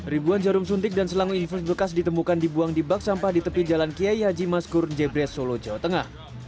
ribuan jarum suntik dan selang infus bekas ditemukan dibuang di bak sampah di tepi jalan kiai haji maskur jebres solo jawa tengah